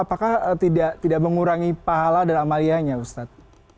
apakah tidak mengurangi pahala dan amalianya ustadz